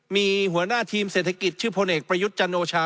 มีหัวหน้าทีมเศรษฐกิจชื่อพลเอกประยุทธ์จันโอชา